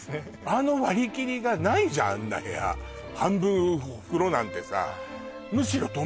あの割り切りがないじゃんあんな部屋半分風呂なんてさ